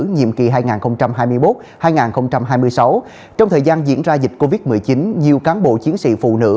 nhiệm kỳ hai nghìn hai mươi một hai nghìn hai mươi sáu trong thời gian diễn ra dịch covid một mươi chín nhiều cán bộ chiến sĩ phụ nữ